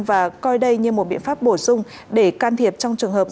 và coi đây như một biện pháp bổ sung để can thiệp trong trường hợp